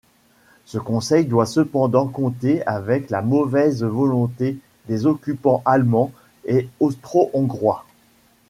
Ce conseil doit cependant compter avec la mauvaise volonté des occupants allemands et austro-hongrois.